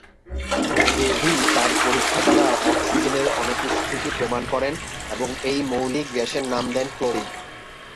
Davy তার পরীক্ষা দ্বারা অক্সিজেনের অনুপস্থিতি প্রমাণ করেন এবং এই মৌলিক গ্যাসের নাম দেন ক্লোরিন।